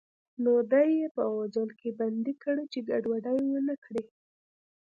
نو دی یې په غوجل کې بندي کړ چې ګډوډي ونه کړي.